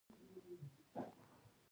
د کار ویش د توکو د تولید لپاره شرط دی.